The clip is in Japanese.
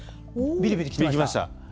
ビリビリきてました。